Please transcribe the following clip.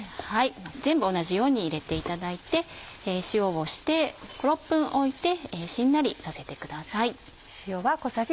全部同じように入れていただいて塩をして５６分おいてしんなりさせてください。